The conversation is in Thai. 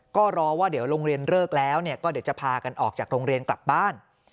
ก็รอว่าเดี๋ยวโรงเรียนเลิกแล้วก็เดี๋ยวจะพากันออกจากโรงเรียนกลับบ้าน